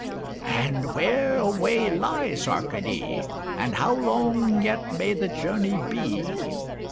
And where away lies Arcady, And how long yet may the journey be?